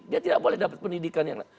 dia tidak boleh dapat pendidikan yang lain